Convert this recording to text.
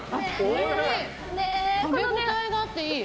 食べ応えがあっていい。